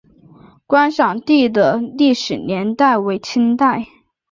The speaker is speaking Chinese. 观察第的历史年代为清代。